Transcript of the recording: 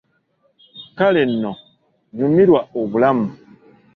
Kale nno, nyumirwa obulamu!